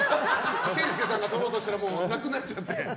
健介さんが取ろうとしたらなくなっちゃって。